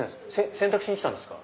洗濯しに来たんですか？